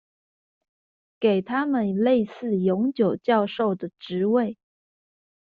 給他們類似永久教授的職位